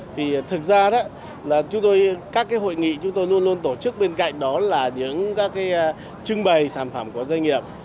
thì thực ra là các hội nghị chúng tôi luôn luôn tổ chức bên cạnh đó là những trưng bày sản phẩm của doanh nghiệp